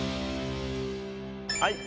はい。